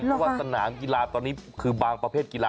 เพราะว่าสนามกีฬาตอนนี้คือบางประเภทกีฬา